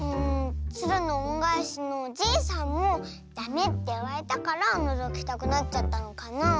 「つるのおんがえし」のおじいさんもダメっていわれたからのぞきたくなっちゃったのかなあ。